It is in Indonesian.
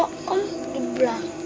oferearbeit di papel enggan